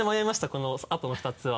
このあとの２つは。